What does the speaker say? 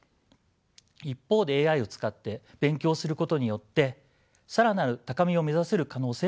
一方でＡＩを使って勉強することによって更なる高みを目指せる可能性もあります。